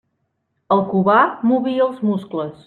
El Cubà movia els muscles.